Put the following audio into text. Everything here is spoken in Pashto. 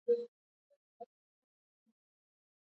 ازادي راډیو د بیکاري په اړه رښتیني معلومات شریک کړي.